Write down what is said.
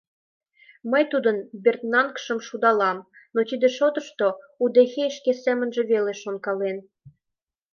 Мый тудын берданкыжым шудалам, но тиде шотышто удэхей шке семынже веле шонкален.